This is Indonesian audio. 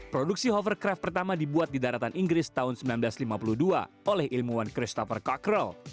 produksi hovercraft pertama dibuat di daratan inggris tahun seribu sembilan ratus lima puluh dua oleh ilmuwan christopher cockerl